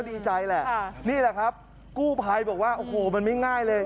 ดีใจแหละนี่แหละครับกู้ภัยบอกว่าโอ้โหมันไม่ง่ายเลย